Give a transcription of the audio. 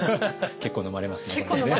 結構飲まれますね。